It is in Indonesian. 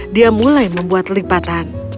dia mulai membuat lipatan